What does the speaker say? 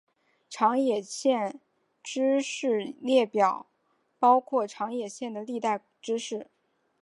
长野县知事列表包括长野县的历代知事。